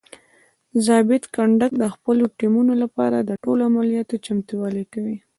ضابط کنډک د خپلو ټیمونو لپاره د ټولو عملیاتو چمتووالی کوي.